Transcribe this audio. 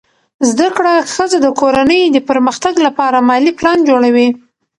زده کړه ښځه د کورنۍ د پرمختګ لپاره مالي پلان جوړوي.